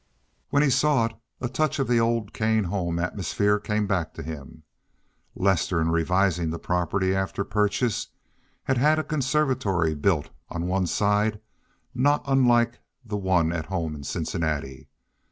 When he saw it a touch of the old Kane home atmosphere came back to him. Lester in revising the property after purchase had had a conservatory built on one side not unlike the one at home in Cincinnati.